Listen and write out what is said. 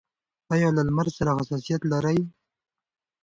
ایا له لمر سره حساسیت لرئ؟